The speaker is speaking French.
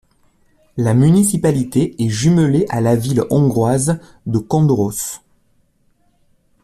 La municipalité est jumelée à la ville hongroise de Kondoros.